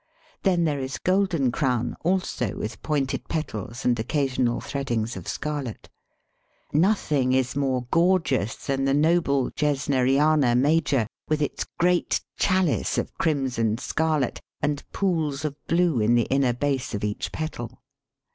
Then there is Golden Crown, also with pointed petals and occasional threadings of scarlet. Nothing is more gorgeous than the noble Gesneriana major, with its great chalice of crimson scarlet and pools of blue in the inner base of each petal.